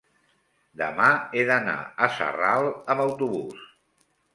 demà he d'anar a Sarral amb autobús.